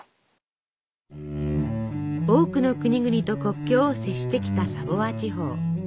多くの国々と国境を接してきたサヴォワ地方。